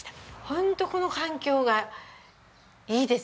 ホントこの環境がいいですね。